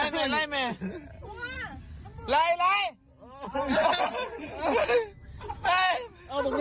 เฮ้ยขนมมันสวยเฮ้ยขนมมันสวย